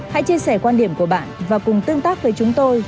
hãy chia sẻ quan điểm của bạn và cùng tương tác với chúng tôi